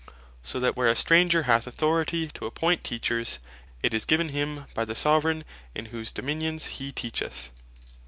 So that where a stranger hath authority to appoint Teachers, it is given him by the Soveraign in whose Dominions he teacheth.